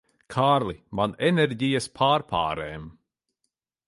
Kārli, man enerģijas pārpārēm.